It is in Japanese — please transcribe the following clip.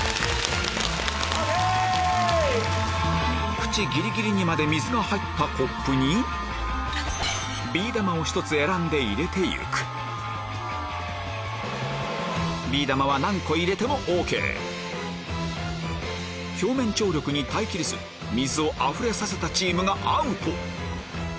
縁ギリギリにまで水が入ったコップにビー玉を１つ選んで入れて行くビー玉は何個入れてもＯＫ表面張力に耐え切れず水をあふれさせたチームがアウト！